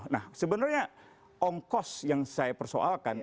nah sebenarnya ongkos yang saya persoalkan